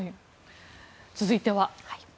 続いては。